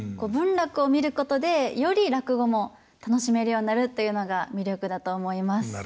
文楽を見ることでより落語も楽しめるようになるというのが魅力だと思います。